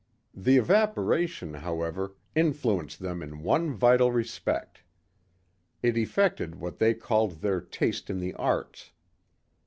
The evaporation, however, influenced them in one vital respect. It effected what they called their taste in the arts.